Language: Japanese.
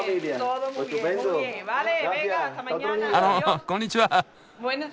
あのこんにちは。